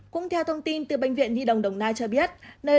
cũng theo thông tin từ bệnh viện nhi đồng đồng nai cho biết